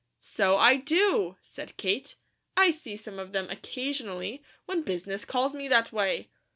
"So I do!" said Kate. "I see some of them occasionally, when business calls me that way.